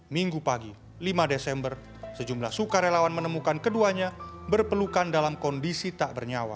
minggu pagi lima desember sejumlah sukarelawan menemukan keduanya berpelukan dalam kondisi tak bernyawa